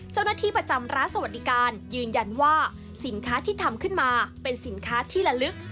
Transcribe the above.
เจ้าหน้าที่ประจำร้านสวัสดิการยืนยันว่าสินค้าที่ทำขึ้นมาเป็นสินค้าที่ละลึก